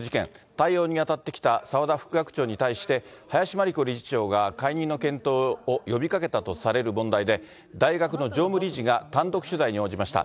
対応に当たってきた澤田副学長に対して、林真理子理事長が解任の検討を呼びかけたとされる問題で、大学の常務理事が単独取材に応じました。